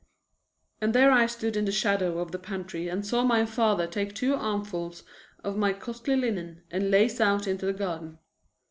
And there I stood in the shadow of the pantry and saw my father take two armfuls of my costly linen and lace out into the garden.